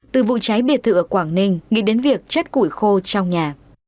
từ vụ cháy biệt thự ở quảng ninh nghĩ đến việc chất củi khô trong nhà